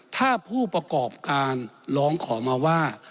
ถ้าผู้ประกอบการร้องขอมาว่า